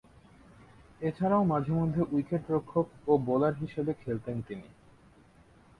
এছাড়াও মাঝে-মধ্যে উইকেট-রক্ষক ও বোলার হিসেবে খেলতেন তিনি।